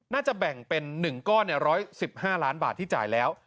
แบ่งเป็น๑ก้อน๑๑๕ล้านบาทที่จ่ายแล้ว